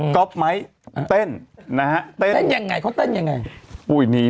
เขาเต้นยังไงปุ๋ยหนีปิ๊กนี้